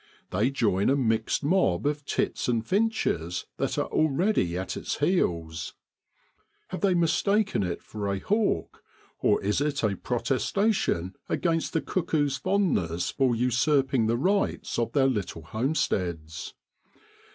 They join a mixed mob of tits and finches that are already at its heels. Have they mistaken it for a hawk, or is it a protestation against the cuckoo's fondness for usurping the rights of their little homesteads